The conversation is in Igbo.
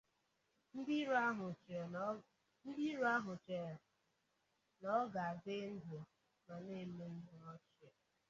Ndị iro ahụ chere na ọ ka dị ndụ ma na-eme ihe ọchị.